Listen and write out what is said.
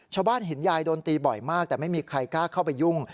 ชาวบ้านเห็นยายโดนตีบ่อยมากแต่ไม่มีใครกล้าเข้าไปยุ่ง